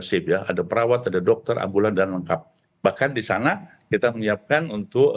sip ya ada perawat ada dokter ambulan dan lengkap bahkan di sana kita menyiapkan untuk